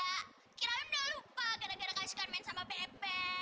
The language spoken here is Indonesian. kira kira udah lupa gara gara kali sekalian main sama pepe